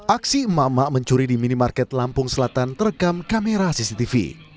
aksi emak emak mencuri di minimarket lampung selatan terekam kamera cctv